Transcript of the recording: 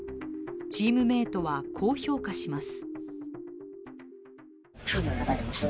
チームメートは、こう評価します。